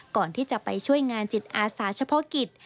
ก่อนที่จะไปช่วยงานจิตอาสาเฉพาะกิจ